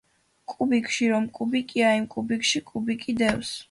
კუბიკში, რომ კუბიკია იმ კუბიკში კუბიკი დევს.